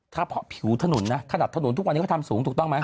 ถ้าเพราะผิวถนนนะขนาดถนนทุกวันนี้เขาทำสูงถูกต้องไหม